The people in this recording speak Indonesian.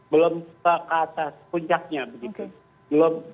belum ke atas puncaknya begitu